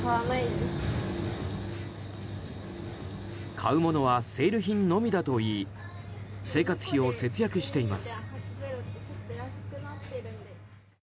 買うものはセール品のみだといい生活費を節約しています。